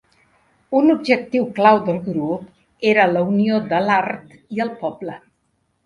Un objectiu clau del grup era la unió de l'art i el poble.